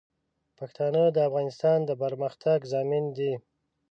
پښتانه د افغانستان د پرمختګ ضامن دي.